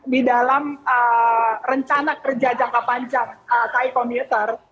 di dalam rencana kerja jangka panjang kai komuter